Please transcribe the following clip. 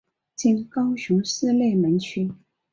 今高雄市内门区。